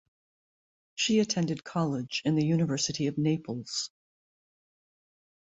She attended college in the University of Naples.